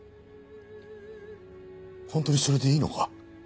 本当にそれでいいのか？